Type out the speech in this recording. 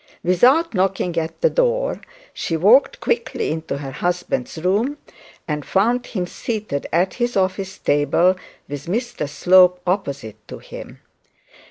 Without knocking at the door she walked quickly into her husband's room and found him seated at his office table, with Mr Slope opposite to him.